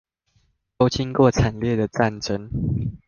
都經過慘烈的戰爭